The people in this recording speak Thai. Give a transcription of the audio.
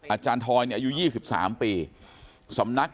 อาจารย์ทอยอายุยี่สิบสามปีสำนักษมณะ